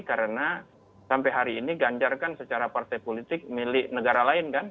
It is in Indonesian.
karena sampai hari ini ganjar kan secara partai politik milik negara lain kan